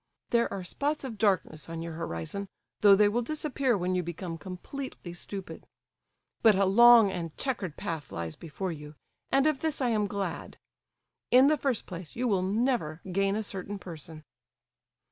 There are spots of darkness on your horizon, though they will disappear when you become completely stupid. But a long and chequered path lies before you, and of this I am glad. In the first place you will never gain a certain person."